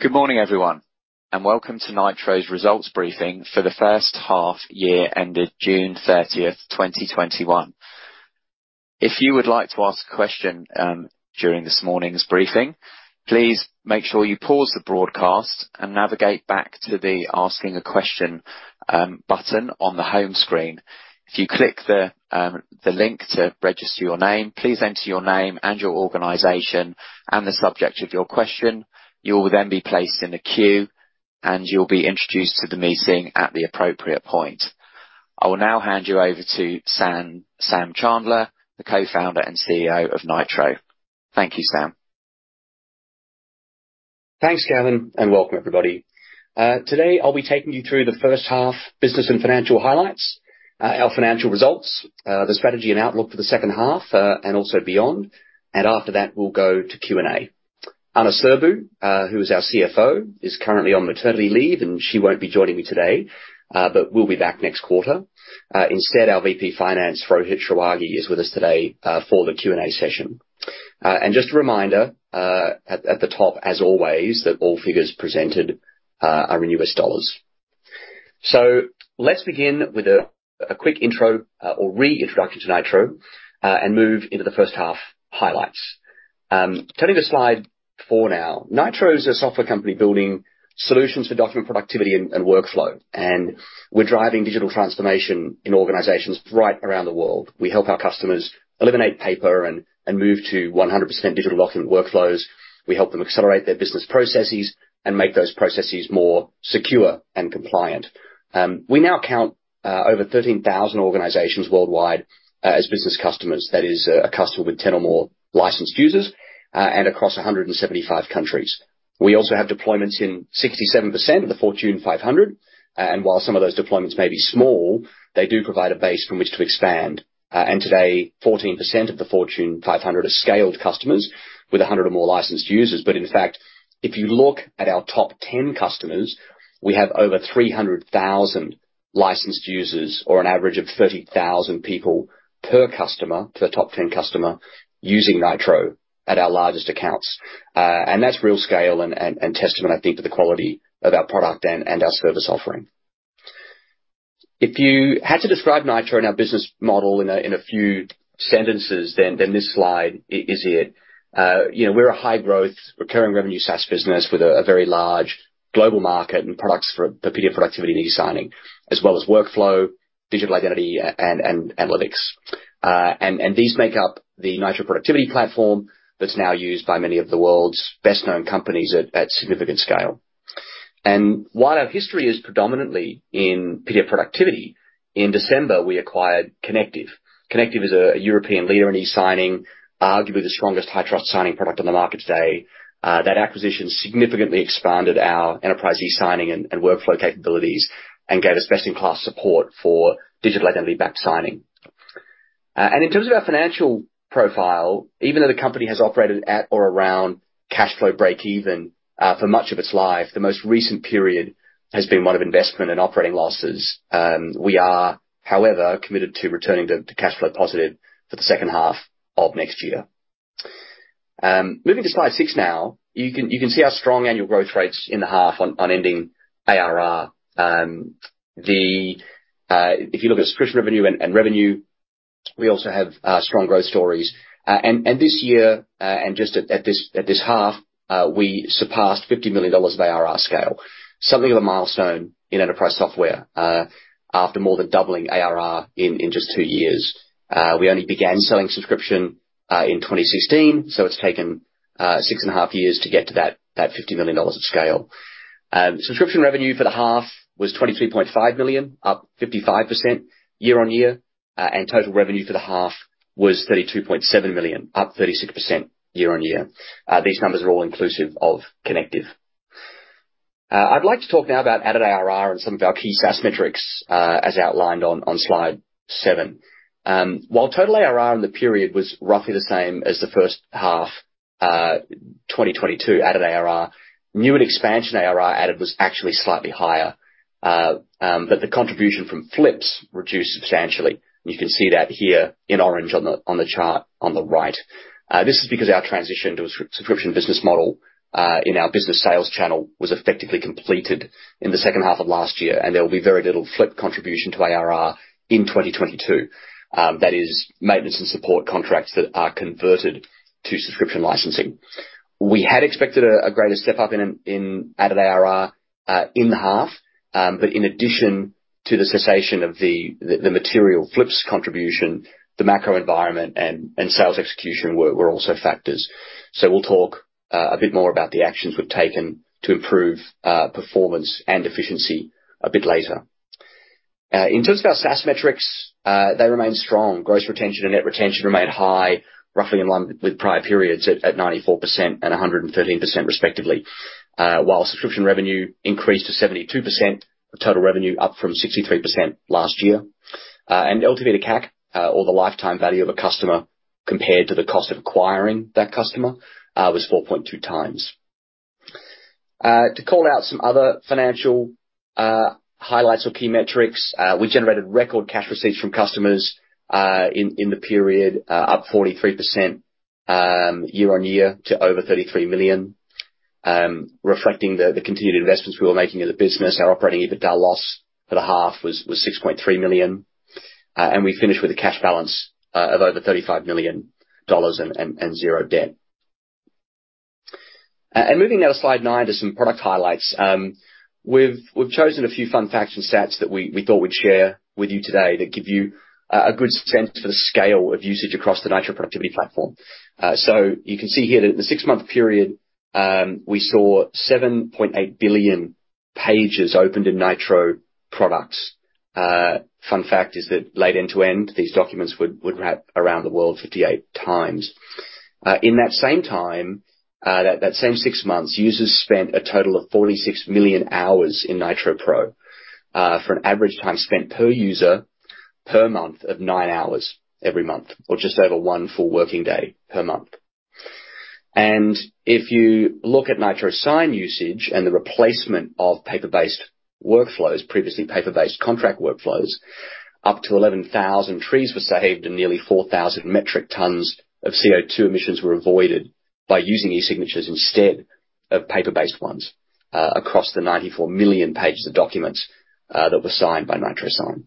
Good morning, everyone, and welcome to Nitro's results briefing for the first half year ended June 30, 2021. If you would like to ask a question during this morning's briefing, please make sure you pause the broadcast and navigate back to the Asking a Question button on the home screen. If you click the link to register your name, please enter your name and your organization and the subject of your question. You will then be placed in a queue, and you'll be introduced to the meeting at the appropriate point. I will now hand you over to Sam Chandler, the co-founder and CEO of Nitro. Thank you, Sam. Thanks, Kevin, and welcome everybody. Today I'll be taking you through the first half business and financial highlights, our financial results, the strategy and outlook for the second half, and also beyond. After that, we'll go to Q&A. Ana Sirbu, who is our CFO, is currently on maternity leave, and she won't be joining me today, but will be back next quarter. Instead, our VP Finance, Rohit Shrawagi, is with us today, for the Q&A session. Just a reminder, at the top, as always, that all figures presented are in U.S. dollars. Let's begin with a quick intro, or reintroduction to Nitro, and move into the first half highlights. Turning to slide 4 now. Nitro is a software company building solutions for document productivity and workflow. We're driving digital transformation in organizations right around the world. We help our customers eliminate paper and move to 100% digital document workflows. We help them accelerate their business processes and make those processes more secure and compliant. We now count over 13,000 organizations worldwide as business customers. That is, a customer with 10 or more licensed users and across 175 countries. We also have deployments in 67% of the Fortune 500. While some of those deployments may be small, they do provide a base from which to expand. Today, 14% of the Fortune 500 are scaled customers with 100 or more licensed users. In fact, if you look at our top 10 customers, we have over 300,000 licensed users or an average of 30,000 people per customer, for the top 10 customer, using Nitro at our largest accounts. That's real scale and testament, I think, to the quality of our product and our service offering. If you had to describe Nitro and our business model in a few sentences, then this slide is it. You know, we're a high-growth, recurring revenue SaaS business with a very large global market and products for the PDF productivity and e-signing, as well as workflow, digital identity, and analytics. These make up the Nitro Productivity Platform that's now used by many of the world's best-known companies at significant scale. While our history is predominantly in PDF productivity, in December, we acquired Connective. Connective is a European leader in e-signing, arguably the strongest high-trust signing product on the market today. That acquisition significantly expanded our enterprise e-signing and workflow capabilities and gave us best-in-class support for digital identity-backed signing. In terms of our financial profile, even though the company has operated at or around cash flow breakeven for much of its life, the most recent period has been one of investment and operating losses. We are, however, committed to returning to cash flow positive for the second half of next year. Moving to slide 6 now. You can see our strong annual growth rates in the half on ending ARR. If you look at subscription revenue and revenue, we also have strong growth stories. This year, just at this half, we surpassed $50 million of ARR scale, something of a milestone in enterprise software, after more than doubling ARR in just two years. We only began selling subscription in 2016, so it's taken six and a half years to get to that $50 million of scale. Subscription revenue for the half was $23.5 million, up 55% year-on-year. Total revenue for the half was $32.7 million, up 36% year-on-year. These numbers are all inclusive of Connective. I'd like to talk now about added ARR and some of our key SaaS metrics, as outlined on slide 7. While total ARR in the period was roughly the same as the first half, 2022 added ARR, new and expansion ARR added was actually slightly higher. But the contribution from flips reduced substantially. You can see that here in orange on the chart on the right. This is because our transition to a subscription business model in our business sales channel was effectively completed in the second half of last year, and there will be very little flip contribution to ARR in 2022. That is maintenance and support contracts that are converted to subscription licensing. We had expected a greater step up in added ARR in the half. In addition to the cessation of the material flips contribution, the macro environment and sales execution were also factors. We'll talk a bit more about the actions we've taken to improve performance and efficiency a bit later. In terms of our SaaS metrics, they remain strong. Gross retention and net retention remain high, roughly in line with prior periods at 94% and 113% respectively. While subscription revenue increased to 72% of total revenue, up from 63% last year. LTV to CAC, or the lifetime value of a customer compared to the cost of acquiring that customer, was 4.2x. To call out some other financial highlights or key metrics. We generated record cash receipts from customers in the period up 43% year-on-year to over $33 million. Reflecting the continued investments we were making in the business, our operating EBITDA loss for the half was $6.3 million. We finished with a cash balance of over $35 million and zero debt. Moving now to slide 9 to some product highlights. We've chosen a few fun facts and stats that we thought we'd share with you today to give you a good sense for the scale of usage across the Nitro Productivity Platform. You can see here that in the six-month period, we sa 7.8 billion pages opened in Nitro products. Fun fact is that laid end to end, these documents would wrap around the world 58x. In that same six months, users spent a total of 46 million hours in Nitro Pro, for an average time spent per user per month of nine hours every month, or just over one full working day per month. If you look at Nitro Sign usage and the replacement of paper-based workflows, previously paper-based contract workflows, up to 11,000 trees were saved and nearly 4,000 metric tons of CO₂ emissions were avoided by using e-signatures instead of paper-based ones, across the 94 million pages of documents that were signed by Nitro Sign.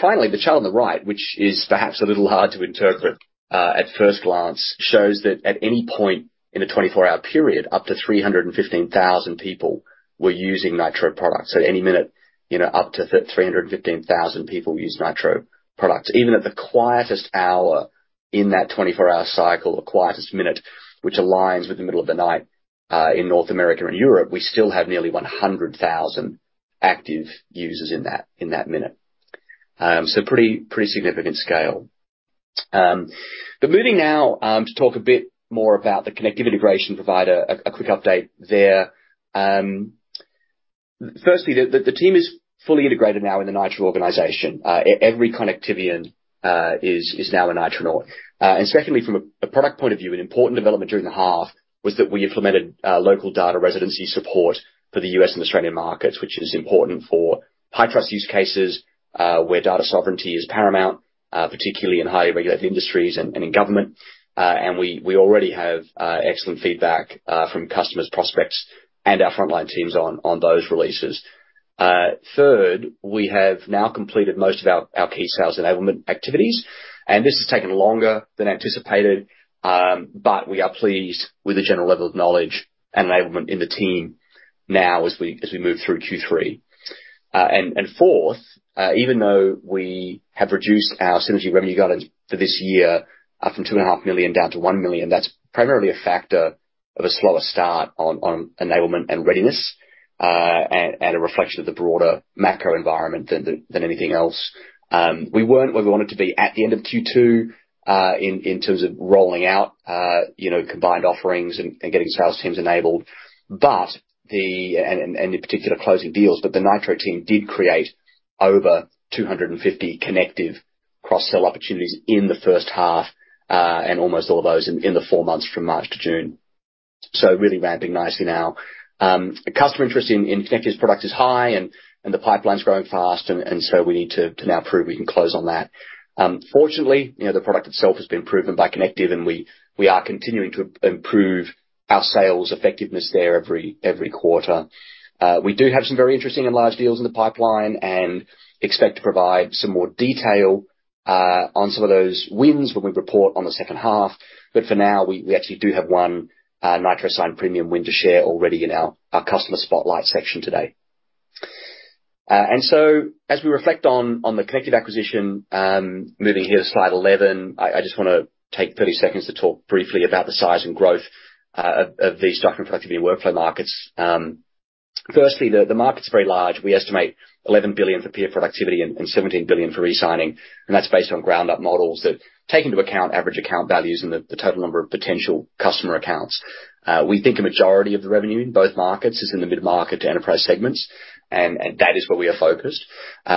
Finally, the chart on the right, which is perhaps a little hard to interpret at first glance, shows that at any point in a twenty-four-hour period, up to 315,000 people were using Nitro products. At any minute, you know, up to 315,000 people use Nitro products. Even at the quietest hour in that twenty-four-hour cycle, or quietest minute, which aligns with the middle of the night in North America and Europe, we still have nearly 100,000 active users in that minute. Pretty significant scale. Moving now to talk a bit more about the Connective integration. Provide a quick update there. Firstly, the team is fully integrated now in the Nitro organization. Every Connectivian is now a Nitronaut. Secondly, from a product point of view, an important development during the half was that we implemented local data residency support for the U.S. and Australian markets, which is important for high trust use cases where data sovereignty is paramount, particularly in highly regulated industries and in government. We already have excellent feedback from customers, prospects, and our frontline teams on those releases. Third, we have now completed most of our key sales enablement activities, and this has taken longer than anticipated, but we are pleased with the general level of knowledge and enablement in the team now as we move through Q3. Fourth, even though we have reduced our synergy revenue guidance for this year from $2.5 million down to $1 million, that's primarily a factor of a slower start on enablement and readiness and a reflection of the broader macro environment than anything else. We weren't where we wanted to be at the end of Q2 in terms of rolling out, you know, combined offerings and getting sales teams enabled and in particular closing deals, but the Nitro team did create over 250 Connective cross-sell opportunities in the first half and almost all those in the four months from March to June. Really ramping nicely now. Customer interest in Connective's product is high and the pipeline's growing fast and so we need to now prove we can close on that. Fortunately, you know, the product itself has been proven by Connective, and we are continuing to improve our sales effectiveness there every quarter. We do have some very interesting and large deals in the pipeline and expect to provide some more detail on some of those wins when we report on the second half. For now, we actually do have one Nitro Sign Premium win to share already in our customer spotlight section today. As we reflect on the Connective acquisition, moving here to slide 11, I just wanna take 30 seconds to talk briefly about the size and growth of these document productivity and workflow markets. Firstly, the market's very large. We estimate $11 billion for PDF productivity and $17 billion for e-signing, and that's based on ground-up models that take into account average account values and the total number of potential customer accounts. We think a majority of the revenue in both markets is in the mid-market to enterprise segments, and that is where we are focused.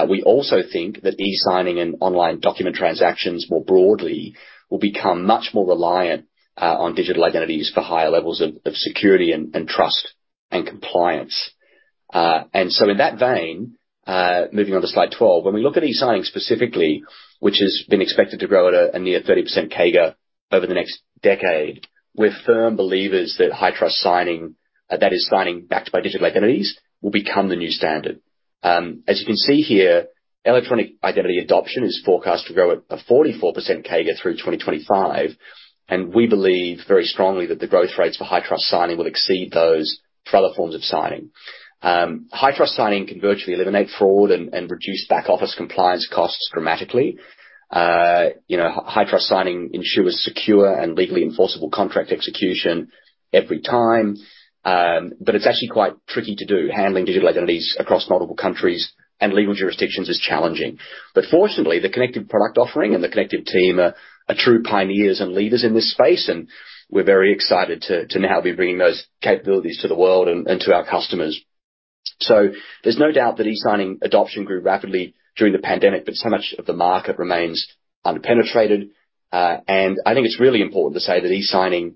We also think that e-signing and online document transactions more broadly will become much more reliant on digital identities for higher levels of security and trust and compliance. In that vein, moving on to slide 12, when we look at e-signing specifically, which has been expected to grow at a near 30% CAGR over the next decade, we're firm believers that high-trust signing, that is signing backed by digital identities, will become the new standard. As you can see here, electronic identity adoption is forecast to grow at a 44% CAGR through 2025, and we believe very strongly that the growth rates for high-trust signing will exceed those for other forms of signing. High-trust signing can virtually eliminate fraud and reduce back office compliance costs dramatically. You know, high-trust signing ensures secure and legally enforceable contract execution every time. It's actually quite tricky to do. Handling digital identities across multiple countries and legal jurisdictions is challenging. Fortunately, the Connective product offering and the Connective team are true pioneers and leaders in this space, and we're very excited to now be bringing those capabilities to the world and to our customers. There's no doubt that e-signing adoption grew rapidly during the pandemic, but so much of the market remains under-penetrated. I think it's really important to say that e-signing,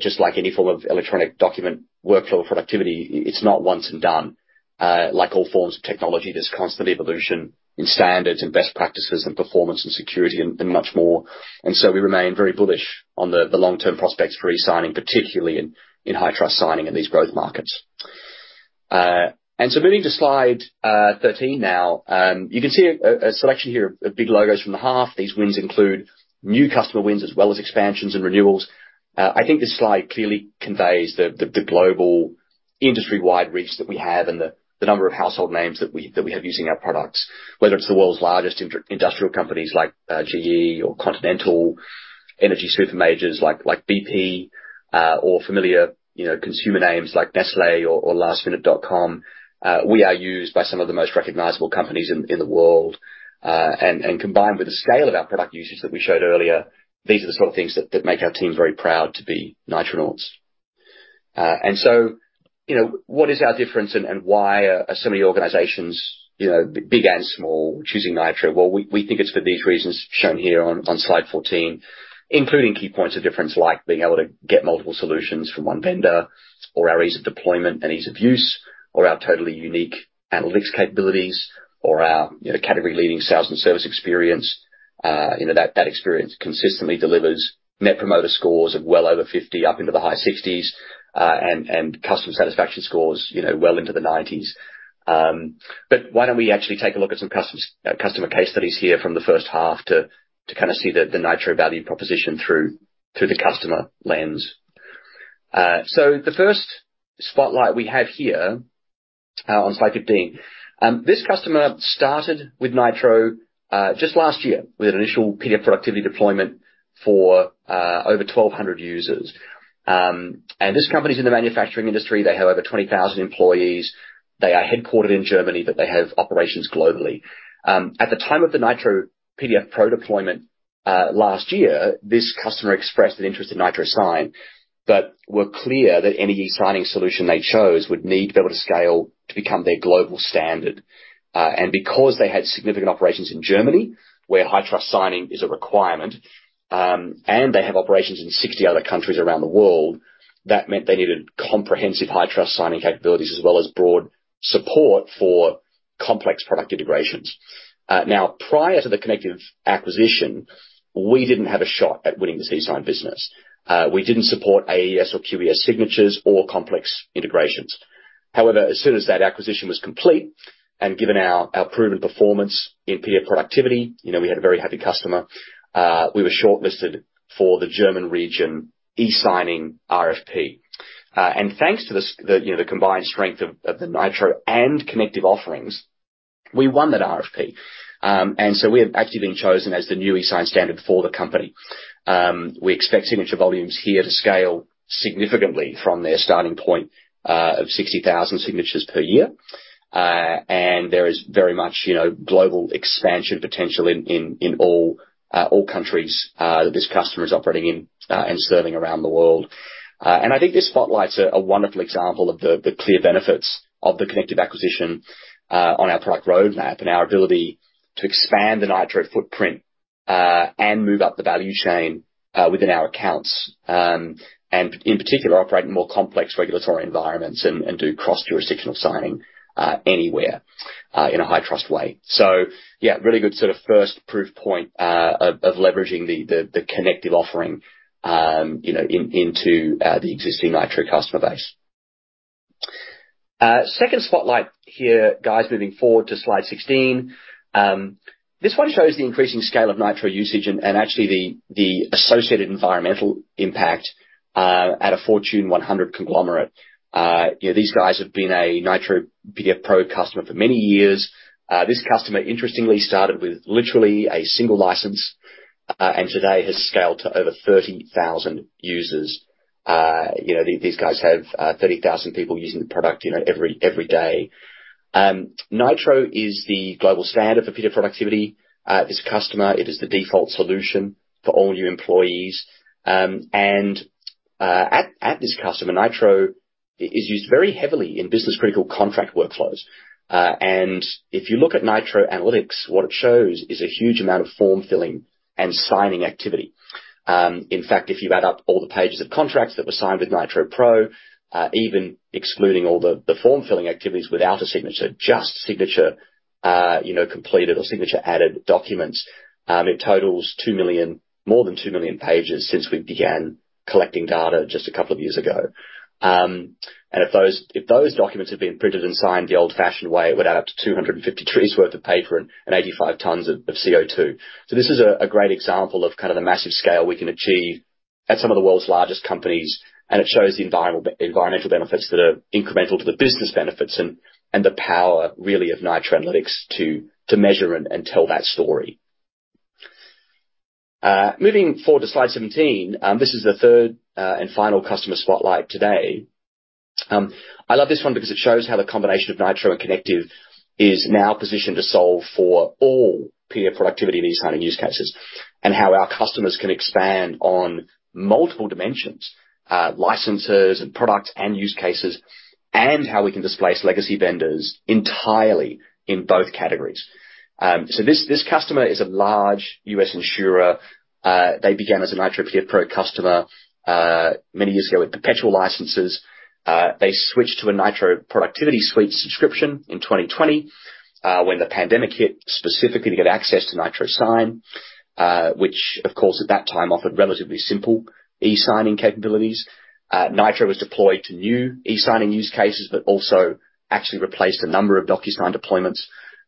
just like any form of electronic document workflow productivity, it's not once and done. Like all forms of technology, there's constant evolution in standards and best practices and performance and security and much more. We remain very bullish on the long-term prospects for e-signing, particularly in high-trust signing in these growth markets. Moving to slide 13 now, you can see a selection here of big logos from the half. These wins include new customer wins as well as expansions and renewals. I think this slide clearly conveys the global industry-wide reach that we have and the number of household names that we have using our products. Whether it's the world's largest industrial companies like GE or Continental, energy super majors like BP, or familiar, you know, consumer names like Nestlé or lastminute.com. We are used by some of the most recognizable companies in the world. Combined with the scale of our product usage that we showed earlier, these are the sort of things that make our teams very proud to be Nitronauts. You know, what is our difference and why are so many organizations, you know, big and small, choosing Nitro? Well, we think it's for these reasons shown here on slide 14, including key points of difference, like being able to get multiple solutions from one vendor, or our ease of deployment and ease of use, or our totally unique analytics capabilities, or our, you know, category-leading sales and service experience. You know, that experience consistently delivers net promoter scores of well over 50 up into the high 60s, and customer satisfaction scores, you know, well into the 90s. Why don't we actually take a look at some customer case studies here from the first half to kinda see the Nitro value proposition through the customer lens. The first spotlight we have here on slide 15. This customer started with Nitro just last year with an initial PDF Productivity deployment for over 1,200 users. This company's in the manufacturing industry. They have over 20,000 employees. They are headquartered in Germany, but they have operations globally. At the time of the Nitro PDF Pro deployment last year, this customer expressed an interest in Nitro Sign, but were clear that any e-signing solution they chose would need to be able to scale to become their global standard. Because they had significant operations in Germany, where high-trust signing is a requirement, and they have operations in 60 other countries around the world, that meant they needed comprehensive high-trust signing capabilities, as well as broad support for complex product integrations. Now, prior to the Connective acquisition, we didn't have a shot at winning this e-sign business. We didn't support AES or QES signatures or complex integrations. However, as soon as that acquisition was complete, and given our proven performance in PDF productivity, you know, we had a very happy customer, we were shortlisted for the German region e-signing RFP. Thanks to the, you know, the combined strength of the Nitro and Connective offerings, we won that RFP. We have actually been chosen as the new e-sign standard for the company. We expect signature volumes here to scale significantly from their starting point of 60,000 signatures per year. There is very much, you know, global expansion potential in all countries that this customer is operating in and serving around the world. I think this spotlights a wonderful example of the clear benefits of the Connective acquisition on our product roadmap and our ability to expand the Nitro footprint and move up the value chain within our accounts. In particular, operate in more complex regulatory environments and do cross-jurisdictional signing anywhere in a high-trust way. Yeah, really good sort of first proof point of leveraging the Connective offering, you know, into the existing Nitro customer base. Second spotlight here, guys, moving forward to slide 16. This one shows the increasing scale of Nitro usage and actually the associated environmental impact at a Fortune 100 conglomerate. You know, these guys have been a Nitro PDF Pro customer for many years. This customer interestingly started with literally a single license and today has scaled to over 30,000 users. You know, these guys have 30,000 people using the product, you know, every day. Nitro is the global standard for PDF productivity. This customer, it is the default solution for all new employees. At this customer, Nitro is used very heavily in business-critical contract workflows. If you look at Nitro Analytics, what it shows is a huge amount of form-filling and signing activity. In fact, if you add up all the pages of contracts that were signed with Nitro Pro, even excluding all the form filling activities without a signature, just signature, you know, completed or signature added documents, it totals two million, more than two million pages since we began collecting data just a couple of years ago. And if those documents had been printed and signed the old-fashioned way, it would add up to 250 trees worth of paper and 85 tons of CO₂. This is a great example of kind of the massive scale we can achieve at some of the world's largest companies, and it shows the environmental benefits that are incremental to the business benefits and the power really of Nitro Analytics to measure and tell that story. Moving forward to slide 17. This is the third and final customer spotlight today. I love this one because it shows how the combination of Nitro and Connective is now positioned to solve for all PDF productivity and e-signing use cases, and how our customers can expand on multiple dimensions, licenses and products and use cases, and how we can displace legacy vendors entirely in both categories. This customer is a large U.S. insurer. They began as a Nitro PDF Pro customer many years ago with perpetual licenses. They switched to a Nitro Productivity Suite subscription in 2020 when the pandemic hit, specifically to get access to Nitro Sign, which of course at that time offered relatively simple e-signing capabilities. Nitro was deployed to new e-signing use cases, but also actually replaced a number of Docusign deployments.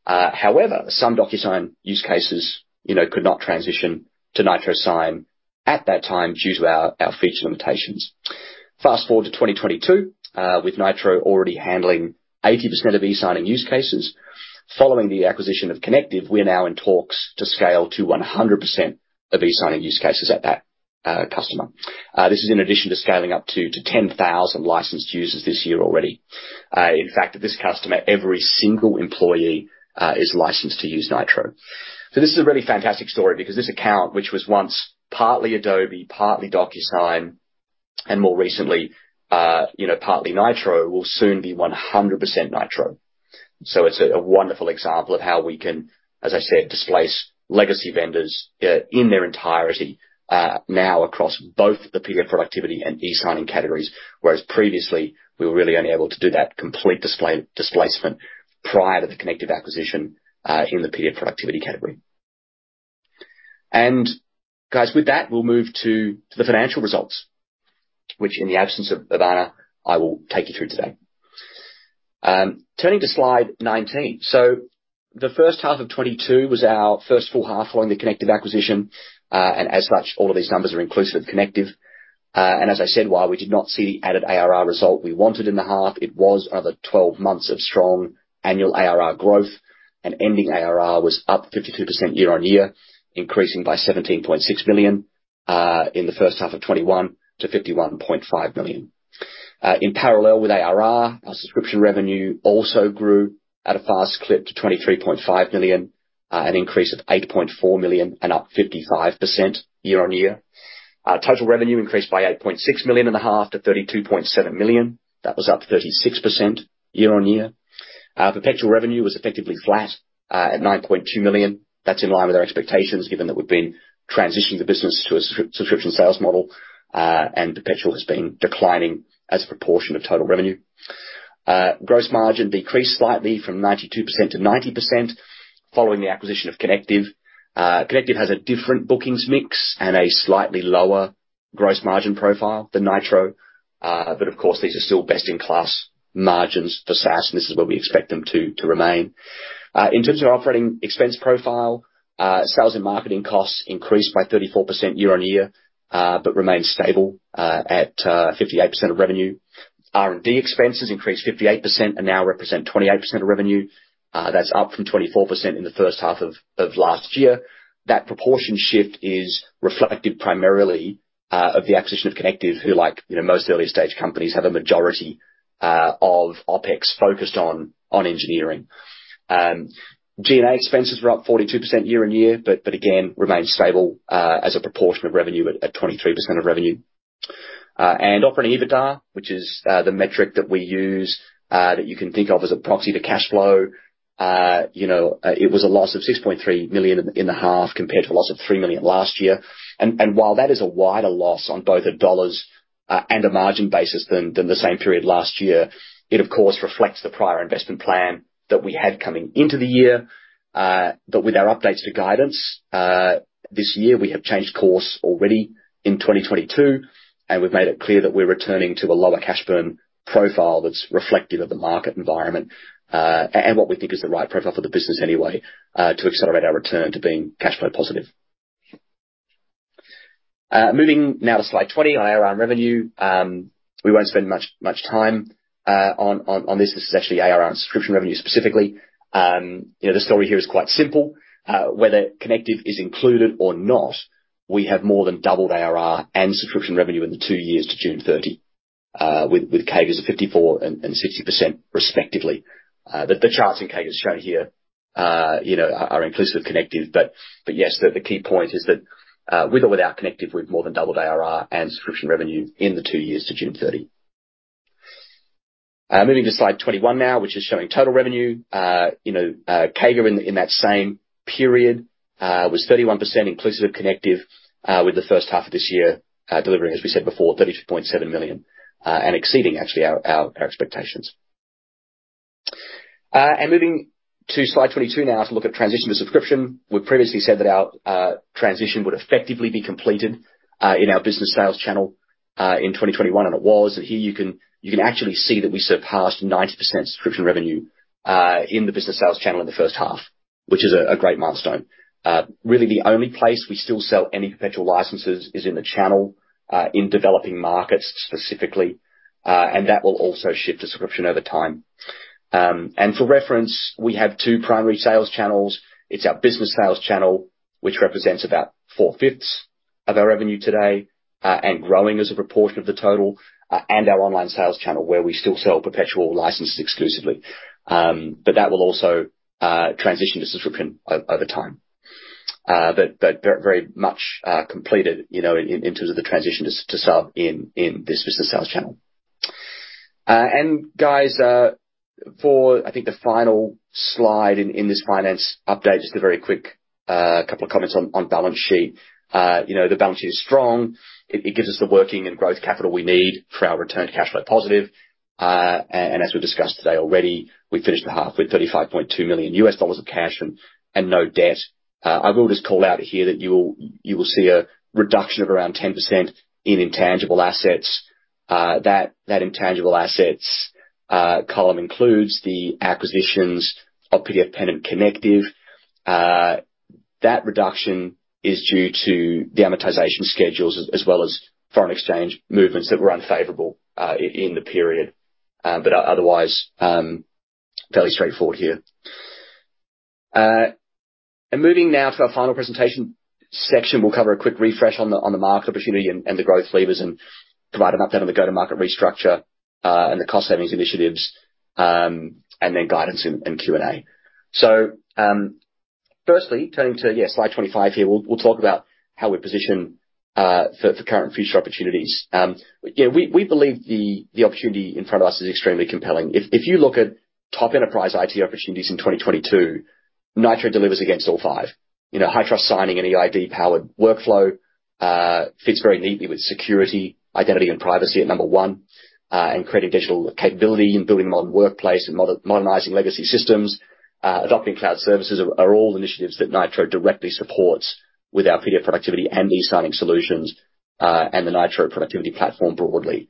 However, some Docusign use cases, you know, could not transition to Nitro Sign at that time due to our feature limitations. Fast-forward to 2022, with Nitro already handling 80% of e-signing use cases. Following the acquisition of Connective, we're now in talks to scale to 100% of e-signing use cases at that customer. This is in addition to scaling up to 10,000 licensed users this year already. In fact, at this customer, every single employee is licensed to use Nitro. This is a really fantastic story because this account, which was once partly Adobe, partly Docusign, and more recently, you know, partly Nitro, will soon be 100% Nitro. It's a wonderful example of how we can, as I said, displace legacy vendors in their entirety now across both the PDF productivity and e-signing categories. Whereas previously, we were really only able to do that complete displacement prior to the Connective acquisition in the PDF productivity category. Guys, with that, we'll move to the financial results, which in the absence of Ana, I will take you through today. Turning to slide 19. The first half of 2022 was our first full half following the Connective acquisition, and as such, all of these numbers are inclusive of Connective. As I said, while we did not see the added ARR result we wanted in the half, it was another 12 months of strong annual ARR growth, and ending ARR was up 52% year-on-year, increasing by $17.6 million in the first half of 2021 to $51.5 million. In parallel with ARR, our subscription revenue also grew at a fast clip to $23.5 million, an increase of $8.4 million and up 55% year-on-year. Total revenue increased by $8.6 million in the half to $32.7 million. That was up 36% year-on-year. Perpetual revenue was effectively flat at $9.2 million. That's in line with our expectations, given that we've been transitioning the business to a subscription sales model, and perpetual has been declining as a proportion of total revenue. Gross margin decreased slightly from 92% to 90% following the acquisition of Connective. Connective has a different bookings mix and a slightly lower gross margin profile than Nitro. Of course, these are still best-in-class margins for SaaS, and this is where we expect them to remain. In terms of our operating expense profile, sales and marketing costs increased by 34% year-on-year, but remain stable at 58% of revenue. R&D expenses increased 58% and now represent 28% of revenue. That's up from 24% in the first half of last year. That proportion shift is reflective primarily of the acquisition of Connective, who like, you know, most early-stage companies, have a majority of OpEx focused on engineering. G&A expenses were up 42% year-on-year, but again, remain stable as a proportion of revenue at 23% of revenue. Operating EBITDA, which is the metric that we use, that you can think of as a proxy to cash flow. You know, it was a loss of $6.3 million in the half, compared to a loss of $3 million last year. While that is a wider loss on both a dollars and a margin basis than the same period last year, it of course reflects the prior investment plan that we had coming into the year. With our updates to guidance this year, we have changed course already in 2022, and we've made it clear that we're returning to a lower cash burn profile that's reflective of the market environment, and what we think is the right profile for the business anyway, to accelerate our return to being cash flow positive. Moving now to slide 20 on ARR and revenue. We won't spend much time on this. This is actually ARR and subscription revenue specifically. You know, the story here is quite simple. Whether Connective is included or not, we have more than doubled ARR and subscription revenue in the two years to June 30, with CAGRs of 54% and 60% respectively. The charts and CAGRs shown here, you know, are inclusive of Connective. Yes, the key point is that with or without Connective, we've more than doubled ARR and subscription revenue in the two years to June 30. Moving to slide 21 now, which is showing total revenue. You know, CAGR in that same period was 31% inclusive of Connective, with the first half of this year delivering, as we said before, $32.7 million and exceeding actually our expectations. Moving to slide 22 now to look at transition to subscription. We previously said that our transition would effectively be completed in our business sales channel in 2021, and it was. Here you can actually see that we surpassed 90% subscription revenue in the business sales channel in the first half, which is a great milestone. Really the only place we still sell any perpetual licenses is in the channel in developing markets specifically, and that will also shift to subscription over time. For reference, we have two primary sales channels. It's our business sales channel, which represents about four-fifths of our revenue today and growing as a proportion of the total, and our online sales channel, where we still sell perpetual licenses exclusively. That will also transition to subscription over time. Very much completed, you know, in terms of the transition to sub in this business sales channel. Guys, for I think the final slide in this finance update, just a very quick couple of comments on balance sheet. You know, the balance sheet is strong. It gives us the working and growth capital we need for our return to cash flow positive. As we've discussed today already, we finished the half with $35.2 million of cash and no debt. I will just call out here that you will see a reduction of around 10% in intangible assets. That intangible assets column includes the acquisitions of PDFpen and Connective. That reduction is due to the amortization schedules as well as foreign exchange movements that were unfavorable in the period. Otherwise, fairly straightforward here. Moving now to our final presentation section. We'll cover a quick refresh on the market opportunity and the growth levers and provide an update on the go-to-market restructure and the cost savings initiatives and then guidance and Q&A. Firstly, turning to slide 25 here. We'll talk about how we position for current and future opportunities. We believe the opportunity in front of us is extremely compelling. If you look at top enterprise IT opportunities in 2022, Nitro delivers against all five. You know, high trust signing and eID-powered workflow fits very neatly with security, identity, and privacy at number one. Creating digital capability and building modern workplace and modernizing legacy systems, adopting cloud services are all initiatives that Nitro directly supports with our PDF productivity and e-signing solutions, and the Nitro Productivity Platform broadly.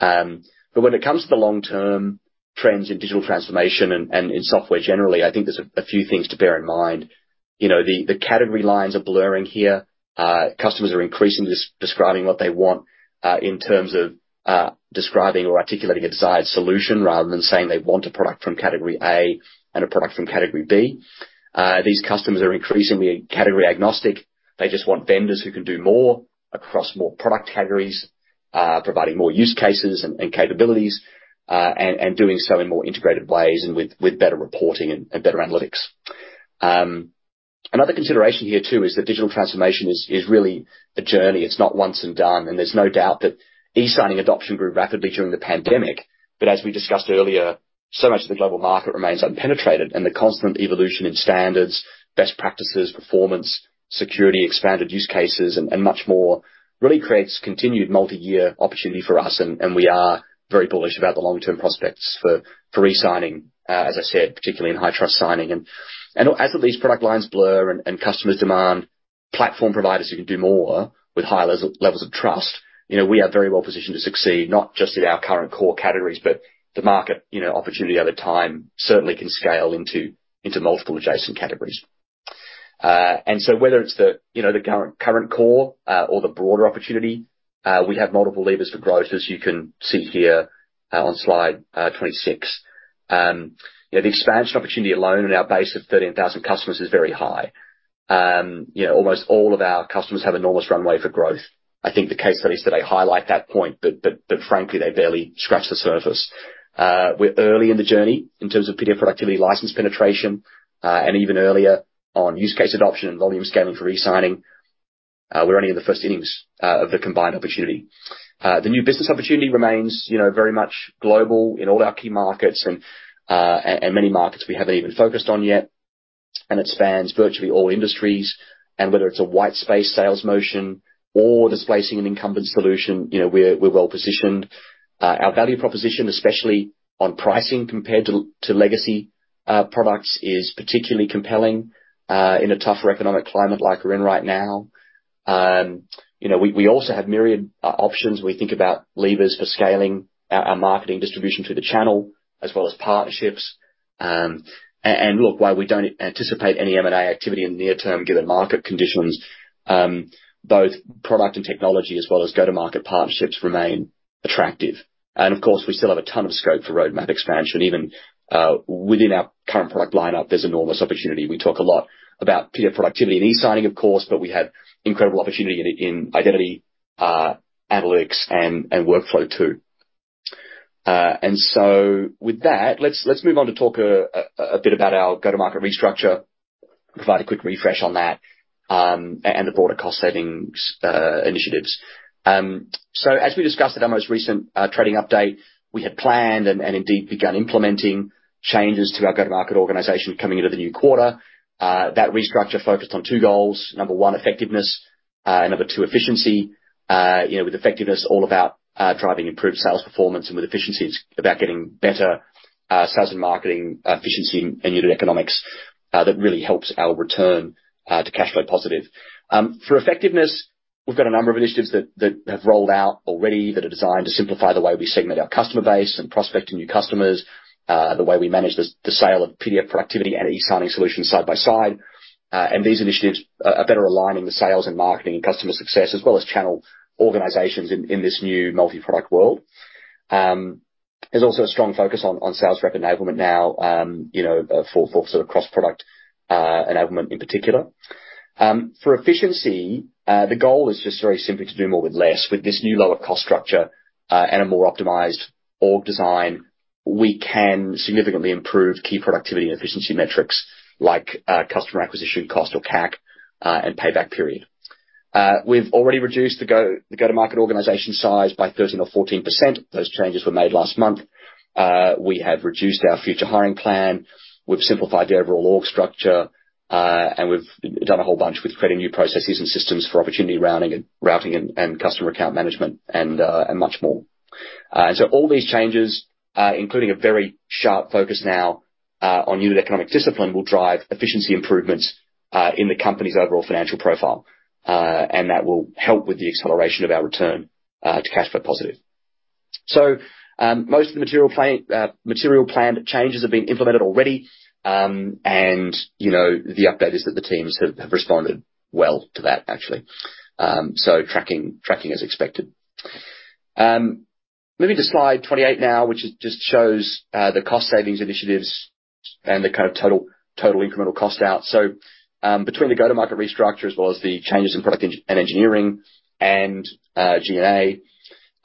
When it comes to the long-term trends in digital transformation and in software generally, I think there's a few things to bear in mind. You know, the category lines are blurring here. Customers are increasingly describing what they want in terms of describing or articulating a desired solution rather than saying they want a product from category A and a product from category B. These customers are increasingly category agnostic. They just want vendors who can do more across more product categories, providing more use cases and capabilities, and doing so in more integrated ways and with better reporting and better analytics. Another consideration here too is that digital transformation is really a journey. It's not once and done, and there's no doubt that e-signing adoption grew rapidly during the pandemic. As we discussed earlier, so much of the global market remains unpenetrated and the constant evolution in standards, best practices, performance, security, expanded use cases, and much more really creates continued multi-year opportunity for us. We are very bullish about the long-term prospects for e-signing, as I said, particularly in high-trust signing. As these product lines blur and customers demand platform providers who can do more with high levels of trust, you know, we are very well positioned to succeed, not just in our current core categories, but the market, you know, opportunity over time certainly can scale into multiple adjacent categories. Whether it's the, you know, current core or the broader opportunity, we have multiple levers for growth, as you can see here on slide 26. You know, the expansion opportunity alone in our base of 13,000 customers is very high. You know, almost all of our customers have enormous runway for growth. I think the case studies today highlight that point, but frankly, they barely scratch the surface. We're early in the journey in terms of PDF productivity license penetration, and even earlier on use case adoption and volume scaling for e-signing. We're only in the first innings of the combined opportunity. The new business opportunity remains, you know, very much global in all our key markets and many markets we haven't even focused on yet. It spans virtually all industries. Whether it's a white space sales motion or displacing an incumbent solution, you know, we're well positioned. Our value proposition, especially on pricing compared to legacy products, is particularly compelling in a tougher economic climate like we're in right now. You know, we also have myriad options when we think about levers for scaling our marketing distribution through the channel as well as partnerships. Look, while we don't anticipate any M&A activity in the near term given market conditions, both product and technology as well as go-to-market partnerships remain attractive. Of course, we still have a ton of scope for roadmap expansion. Even within our current product lineup, there's enormous opportunity. We talk a lot about PDF productivity and e-signing, of course, but we have incredible opportunity in identity, analytics, and workflow too. With that, let's move on to talk a bit about our go-to-market restructure, provide a quick refresh on that, and the broader cost savings initiatives. As we discussed at our most recent trading update, we had planned and indeed begun implementing changes to our go-to-market organization coming into the new quarter. That restructure focused on two goals. Number one, effectiveness. Number two, efficiency. You know, with effectiveness all about driving improved sales performance, and with efficiency, it's about getting better sales and marketing efficiency and unit economics that really helps our return to cash flow positive. For effectiveness, we've got a number of initiatives that have rolled out already that are designed to simplify the way we segment our customer base and prospect to new customers, the way we manage the sale of PDF productivity and e-signing solutions side by side. These initiatives are better aligning the sales and marketing and customer success as well as channel organizations in this new multi-product world. There's also a strong focus on sales rep enablement now, you know, for sort of cross-product enablement in particular. For efficiency, the goal is just very simply to do more with less. With this new lower cost structure and a more optimized org design, we can significantly improve key productivity and efficiency metrics like customer acquisition cost or CAC and payback period. We've already reduced the go-to-market organization size by 13%-14%. Those changes were made last month. We have reduced our future hiring plan. We've simplified the overall org structure and we've done a whole bunch with creating new processes and systems for opportunity rounding and routing and customer account management and much more. All these changes, including a very sharp focus now on new economic discipline, will drive efficiency improvements in the company's overall financial profile. That will help with the acceleration of our return to cash flow positive. Most of the material planned changes have been implemented already. You know, the update is that the teams have responded well to that actually. Tracking as expected. Moving to slide 28 now, which just shows the cost savings initiatives and the kind of total incremental cost out. Between the go-to-market restructure as well as the changes in product engineering and G&A,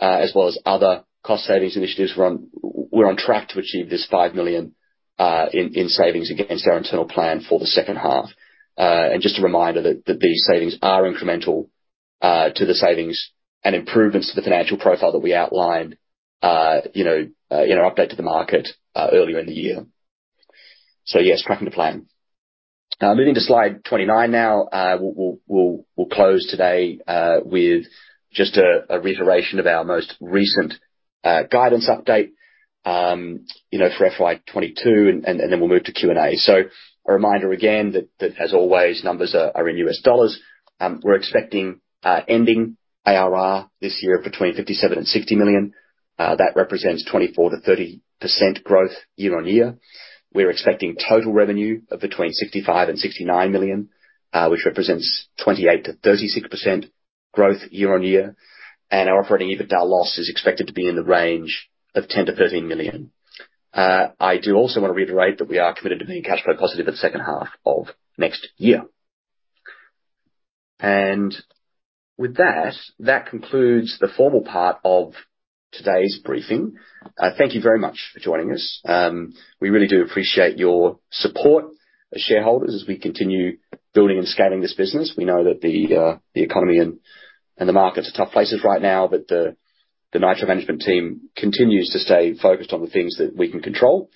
as well as other cost savings initiatives, we're on track to achieve this $5 million in savings against our internal plan for the second half. Just a reminder that these savings are incremental to the savings and improvements to the financial profile that we outlined, you know, in our update to the market, earlier in the year. Yes, tracking to plan. Moving to slide 29 now. We'll close today with just a reiteration of our most recent guidance update, you know, for FY 2022 and then we'll move to Q&A. A reminder again that as always, numbers are in U.S. dollars. We're expecting ending ARR this year between $57 million-$60 million. That represents 24%-30% growth year-over-year. We're expecting total revenue of between $65 million-$69 million, which represents 28%-36% growth year-over-year. Our operating EBITDA loss is expected to be in the range of $10 million-$13 million. I do also wanna reiterate that we are committed to being cash flow positive at the second half of next year. With that concludes the formal part of today's briefing. Thank you very much for joining us. We really do appreciate your support as shareholders as we continue building and scaling this business. We know that the economy and the markets are tough places right now, but the Nitro management team continues to stay focused on the things that we can control.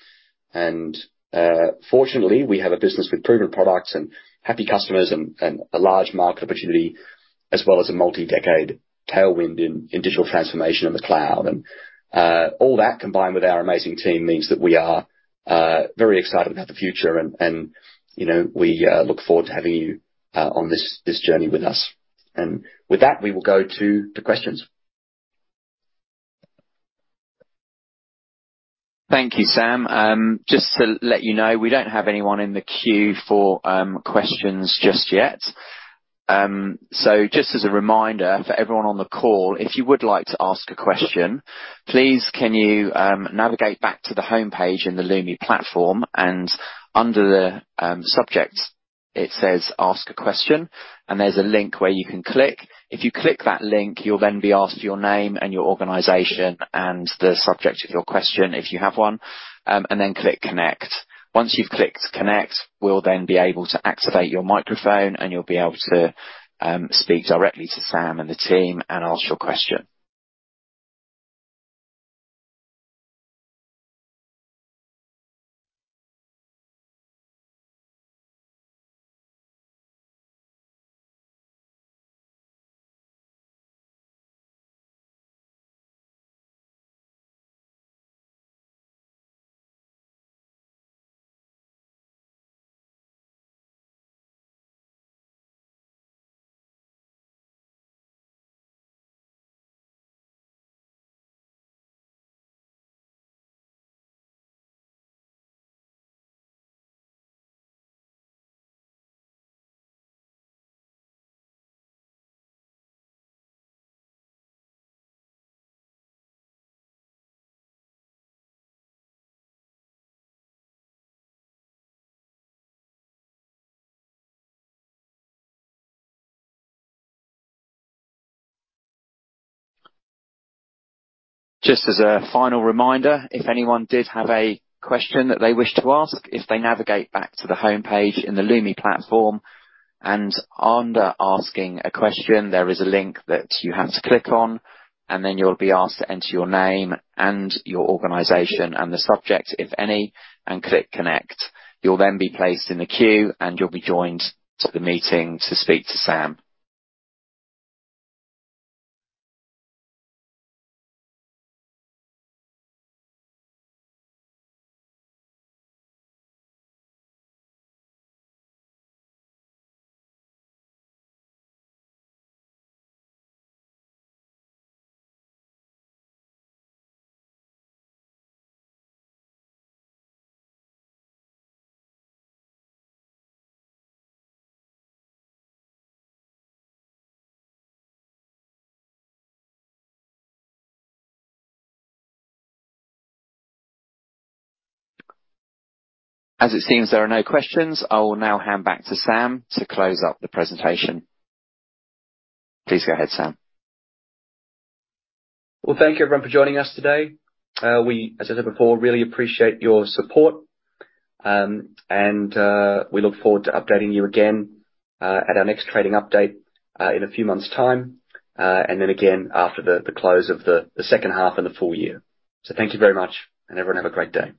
Fortunately, we have a business with proven products and happy customers and a large market opportunity, as well as a multi-decade tailwind in digital transformation in the cloud. All that combined with our amazing team means that we are very excited about the future and you know we look forward to having you on this journey with us. With that, we will go to the questions. Thank you, Sam. Just to let you know, we don't have anyone in the queue for questions just yet. Just as a reminder for everyone on the call, if you would like to ask a question, please, can you navigate back to the homepage in the Lumi platform and under the subject, it says, "Ask a question," and there's a link where you can click. If you click that link, you'll then be asked your name and your organization and the subject of your question, if you have one, and then click Connect. Once you've clicked Connect, we'll then be able to activate your microphone and you'll be able to speak directly to Sam and the team and ask your question. Just as a final reminder, if anyone did have a question that they wish to ask, if they navigate back to the homepage in the Lumi platform and under Asking a Question, there is a link that you have to click on, and then you'll be asked to enter your name and your organization and the subject, if any, and click Connect. You'll then be placed in the queue, and you'll be joined to the meeting to speak to Sam. As it seems there are no questions, I will now hand back to Sam to close out the presentation. Please go ahead, Sam. Well, thank you everyone for joining us today. We, as I said before, really appreciate your support. We look forward to updating you again at our next trading update in a few months' time, and then again after the close of the second half and the full year. Thank you very much, and everyone have a great day.